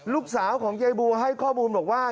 ลูกสาวของยายบัวให้ข้อมูลบอกว่า